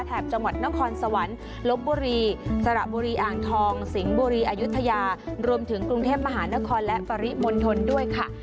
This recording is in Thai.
จังหวัดนครสวรรค์ลบบุรีสระบุรีอ่างทองสิงห์บุรีอายุทยารวมถึงกรุงเทพมหานครและปริมณฑลด้วยค่ะ